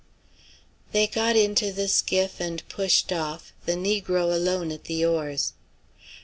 They got into the skiff and pushed off, the negro alone at the oars.